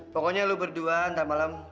pokoknya lo berdua ntar malem